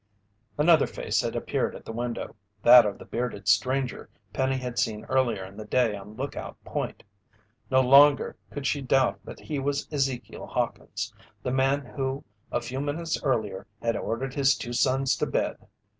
Another face had appeared at the window that of the bearded stranger Penny had seen earlier in the day on Lookout Point. No longer could she doubt that he was Ezekiel Hawkins, the man who a few minutes earlier had ordered his two sons to bed.